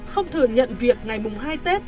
không thừa nhận việc ngày hai tết